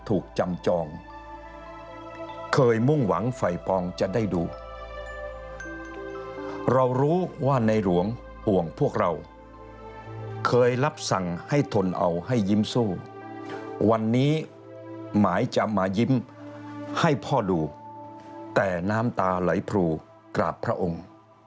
ถูกจำจองเคยมุ่งหวังไฟปองจะได้ดูเรารู้ว่าในหลวงห่วงพวกเราเคยรับสั่งให้ทนเอาให้ยิ้มสู้วันนี้หมายจะมายิ้มให้พ่อดูแต่น้ำตาไหลพรูกราบพระองค์